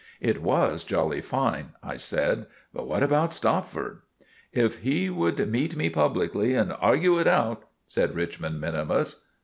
"It was jolly fine," I said. "But what about Stopford?" "If he would meet me publicly and argue it out——" said Richmond minimus.